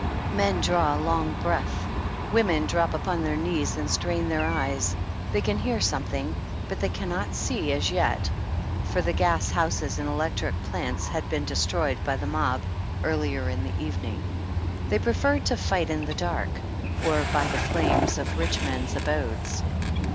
Men draw a long breath ; women drop upon their knees and strain their eyes ; they can hear something, but they cannot see as yet, for the gas houses and electric plants had been destroyed by the mob early in the evening. They preferred to fight in the dark, or by the flames of rich men's abodes.